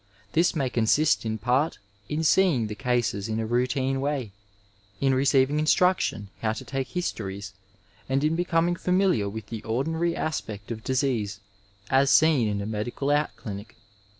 This may consist in part in seeing the cases in a routine way, in receiving instraction how to take histories, and in becoming familiar with the ordinary aspect of disease as seen in a* Inedical oatclinic.